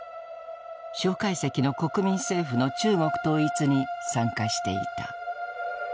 蒋介石の国民政府の中国統一に参加していた。